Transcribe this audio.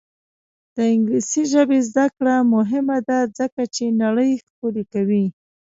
د انګلیسي ژبې زده کړه مهمه ده ځکه چې نړۍ ښکلې کوي.